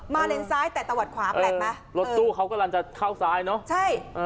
มาเลนสายแต่ตะวัดขวาแปลกมารถตู้เขากำลังจะเข้าซ้ายเนอะ